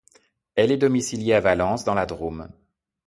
Elle est domiciliée à Valence dans la Drôme.